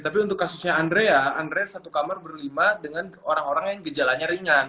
tapi untuk kasusnya andre ya andre satu kamar berlima dengan orang orang yang gejalanya ringan